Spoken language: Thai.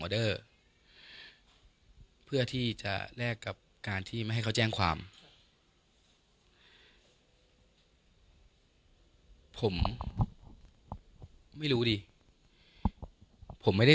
เพื่อที่จะแลกกับการที่ไม่ให้เขาแจ้งความผมไม่รู้ดิผมไม่ได้